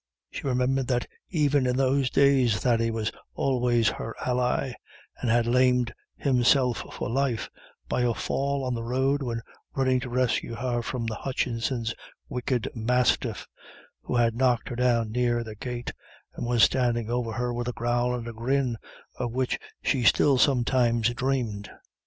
She remembered that even in those days Thady was always her ally, and had lamed himself for life by a fall on the road when running to rescue her from the Hutchinsons' wicked mastiff, who had knocked her down near their gate, and was standing over her with a growl and a grin of which she still sometimes dreamed.